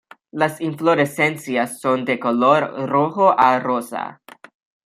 Las inflorescencias son de color rojo a rosa.